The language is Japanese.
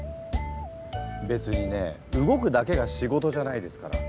別にね動くだけが仕事じゃないですから。